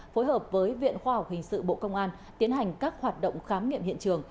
phối hợp với viện khoa học hình sự bộ công an tiến hành các hoạt động khám nghiệm hiện trường